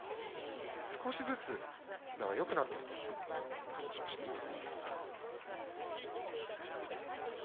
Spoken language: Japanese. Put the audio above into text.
少しずつ膝はよくなっていると話をしています。